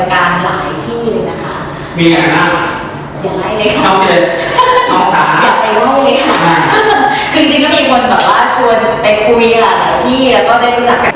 คือจริงก็มีคนแบบว่าชวนไปคุยหลายที่แล้วก็ได้รู้จักกัน